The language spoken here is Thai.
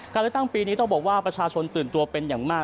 เลือกตั้งปีนี้ต้องบอกว่าประชาชนตื่นตัวเป็นอย่างมาก